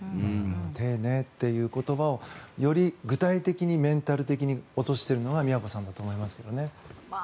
丁寧という言葉をより具体的にメンタル的に落としているのは京さんだと思いますけどね。